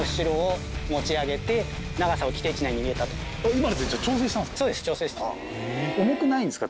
今ので調整したんですか？